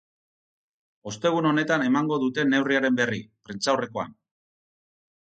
Ostegun honetan emango dute neurriaren berri, prentsaurrekoan.